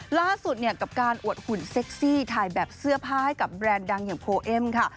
ล่าสุดเนี่ยกับการอวดหุ่นเซ็กซี่ถ่ายแบบเสื้อผ้าให้กับแบรนด์ดังอย่างโพเอ็มค่ะ